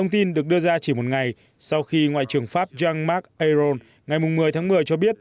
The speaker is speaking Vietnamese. tin được đưa ra chỉ một ngày sau khi ngoại trưởng pháp jean marc ayron ngày một mươi tháng một mươi cho biết